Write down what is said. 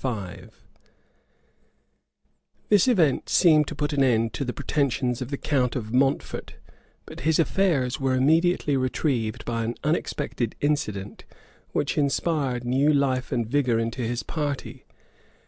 {1342.} This event seemed to put an end to the pretensions of the count of Mountfort; but his affairs were immediately retrieved by an unexpected incident, which inspired new life and vigor into his party.